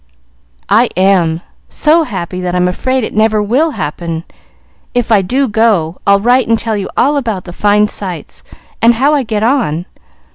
"I am so happy that I'm afraid it never will happen. If I do go, I'll write and tell you all about the fine sights, and how I get on.